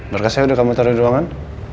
berkasnya udah kamu taruh di ruangan